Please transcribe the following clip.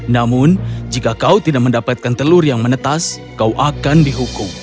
namun jika kau tidak mendapatkan telur yang menetas kau akan dihukum